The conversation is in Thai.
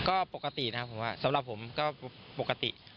ก็ปกตินะครับผมว่าสำหรับผมก็ปกติ